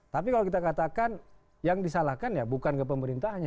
tapi kalau kita katakan yang disalahkan ya bukan ke pemerintahnya